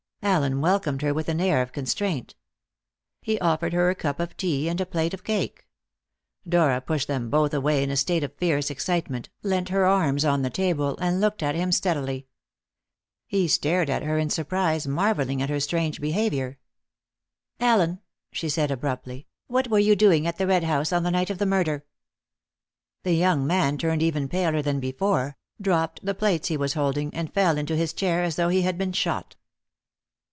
Allen welcomed her with an air of constraint. He offered her a cup of tea and a plate of cake. Dora pushed them both away in a state of fierce excitement, leant her arms on the table, and looked at him steadily. He stared at her in surprise, marvelling at her strange behaviour. "Allen," she said abruptly, "what were you doing at the Red House on the night of the murder?" The young man turned even paler than before, dropped the plates he was holding, and fell into his chair as though he had been shot.